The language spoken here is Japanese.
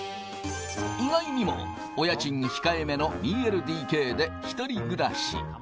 意外にも、お家賃控えめの２ＬＤＫで１人暮らし。